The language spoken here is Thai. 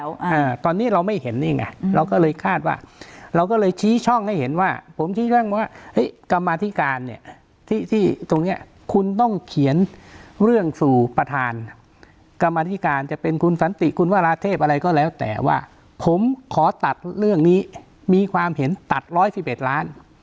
อ่าตอนนี้เราไม่เห็นนี่ไงเราก็เลยคาดว่าเราก็เลยชี้ช่องให้เห็นว่าผมชี้แจ้งว่าเฮ้ยกรรมาธิการเนี่ยที่ที่ตรงเนี้ยคุณต้องเขียนเรื่องสู่ประธานกรรมธิการจะเป็นคุณสันติคุณวราเทพอะไรก็แล้วแต่ว่าผมขอตัดเรื่องนี้มีความเห็นตัดร้อยสิบเอ็ดล้าน